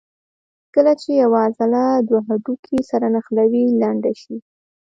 کله چې یوه عضله دوه هډوکي سره نښلوي لنډه شي.